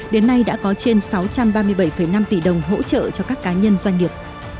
đến nay đã có trên sáu trăm ba mươi bảy năm tỷ đồng hỗ trợ cho các cá nhân doanh nghiệp